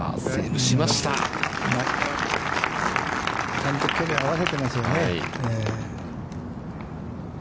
ちゃんと距離を合わせてますよね。